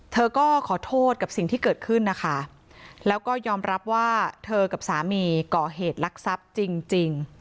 เธอก็ขอโทษกับสิ่งที่เกิดขึ้นนะคะแล้วก็ยอมรับว่าเธอกับสามีก่อเหตุลักษัพจริง